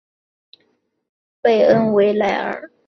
贝恩维莱尔。